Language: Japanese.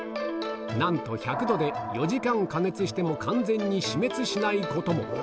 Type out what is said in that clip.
なんと１００度で４時間加熱しても完全に死滅しないことも。